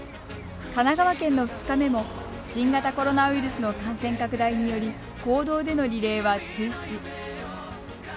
神奈川県の２日目も新型コロナウイルスの感染拡大により公道でのリレーは中止。